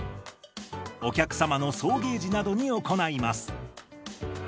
お客様の送迎時などに行います。